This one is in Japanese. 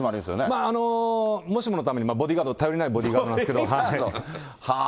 まあ、もしものために、頼りないボディーガードなんですけど。